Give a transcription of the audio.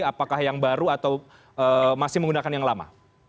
apakah yang baru atau masih menggunakan yang lama